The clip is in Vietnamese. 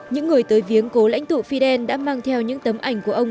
những người tới viếng cố lãnh tụ fidel đã mang theo những tấm ảnh của ông